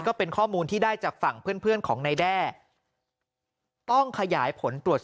ก็เป็นข้อมูลที่ได้จากฝั่งเพื่อนเพื่อนของนายแด้ต้องขยายผลตรวจ